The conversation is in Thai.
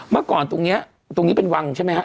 เมื่อก่อนตรงนี้ตรงนี้เป็นวังใช่ไหมฮะ